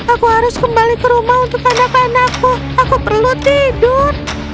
aku harus kembali ke rumah untuk anak anakku aku perlu tidur